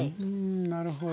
なるほど。